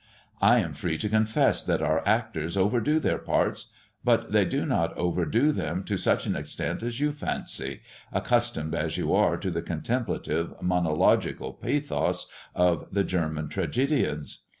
I am free to confess that our actors overdo their parts; but they do not overdo them to such an extent as you fancy, accustomed as you are to the contemplative, monological pathos of the German tragedians.